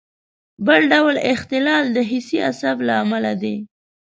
بل ډول اختلال د حسي عصب له امله دی.